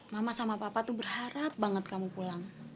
mama sama papa tuh berharap banget kamu pulang